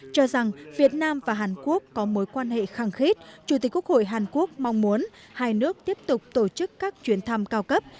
cho rằng việt nam và hàn quốc có mối quan hệ khăng khít chủ tịch quốc hội hàn quốc mong muốn hai nước tiếp tục tổ chức các chuyến thăm cao cấp